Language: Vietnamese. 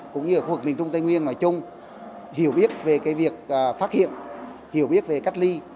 cũng như ở khu vực miền trung tây nguyên nói chung hiểu biết về việc phát hiện hiểu biết về cách ly